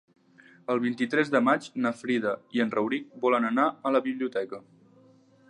El vint-i-tres de maig na Frida i en Rauric volen anar a la biblioteca.